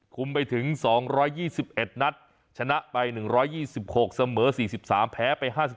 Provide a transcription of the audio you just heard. ไปถึง๒๒๑นัดชนะไป๑๒๖เสมอ๔๓แพ้ไป๕๗